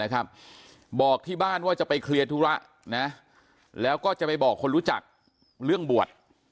บอกที่บ้านว่าจะไปเคลียร์ธุระนะแล้วก็จะไปบอกคนรู้จักเรื่องบวช